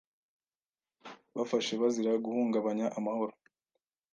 Bafashe bazira guhungabanya amahoro.